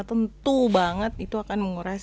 tentu banget itu akan menguras